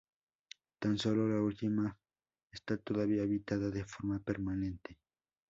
Tan sólo la última está todavía habitada de forma permanente.